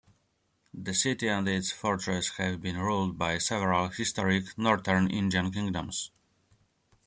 The city and its fortress have been ruled by several historic northern Indian kingdoms.